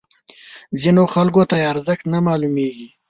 ځینو خلکو ته یې ارزښت نه معلومیږي.